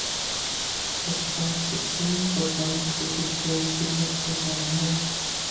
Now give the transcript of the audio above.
spot fixing Pakistan cricket کو مشکل وقت کا سامنا ہے